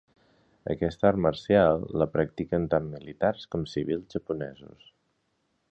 Aquesta art marcial la practiquen tant militars com civils japonesos.